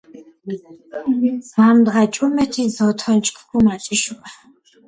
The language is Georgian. ამდღა-ჭუმეთი ზოთონჯქ ქუმაჭიშუა.